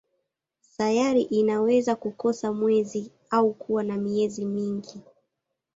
Sayari inaweza kukosa mwezi au kuwa na miezi mingi.